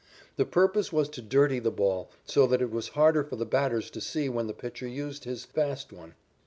The purpose was to dirty the ball so that it was harder for the batters to see when the pitcher used his fast one.